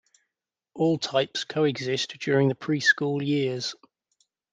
All types coexist during the preschool years.